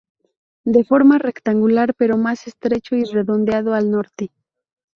De forma rectangular pero más estrecho y redondeado al norte.